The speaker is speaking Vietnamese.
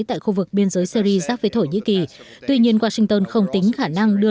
tại khu vực biên giới syri giáp với thổ nhĩ kỳ tuy nhiên washington không tính khả năng đưa